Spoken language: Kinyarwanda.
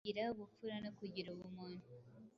Kugira ubupfura no kugira ubumuntu,